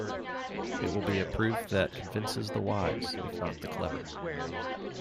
It will be a proof that convinces the wise if not the clever.